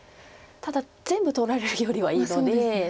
ただ全部取られるよりはいいので。